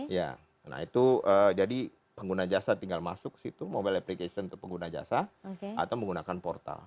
ya nah itu jadi pengguna jasa tinggal masuk situ mobile application untuk pengguna jasa atau menggunakan portal